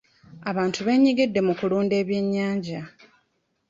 Abantu beenyigidde mu kulunda ebyennyanja.